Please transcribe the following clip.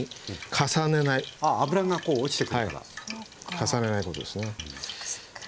重ねないことですね。